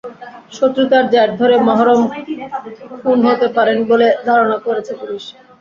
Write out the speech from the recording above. শত্রুতার জের ধরে মহরম খুন হতে পারেন বলে ধারণা করছে পুলিশ।